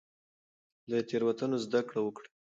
له تېروتنو زده کړه وکړئ.